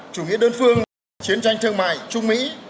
chủ nghĩa đơn phương chiến tranh thương mại trung mỹ